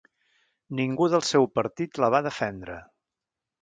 Ningú del seu partit la va defendre.